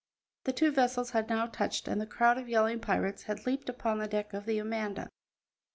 The two vessels had now touched and the crowd of yelling pirates had leaped upon the deck of the Amanda.